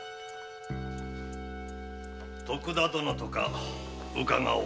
徳田殿とかうかがおう。